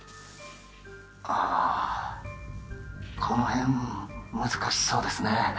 ああこのへん難しそうですね